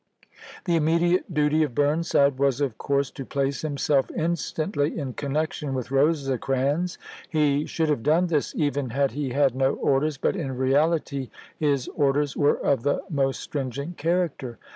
The immediate duty of Burnside was, of course, to place himself instantly in connection with Rose crans. He should have done this even had he had no orders, but in reality his orders were of the most stringent character.